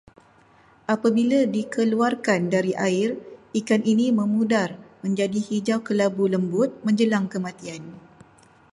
Apabila dikeluarkan dari air, ikan ini memudar menjadi hijau-kelabu lembut menjelang kematian